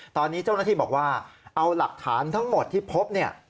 ตอนนี้เจ้าหน้าที่บอกว่าเอาหลักฐานทั้งหมดที่พบเนี่ย